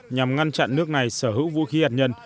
nhằm ngăn chặn nước này sở hữu vũ khí hạt nhân